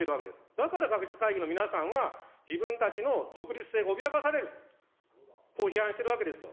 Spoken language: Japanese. だから学術会議の皆さんは、自分たちの独立性が脅かされる、こう批判しているわけですよ。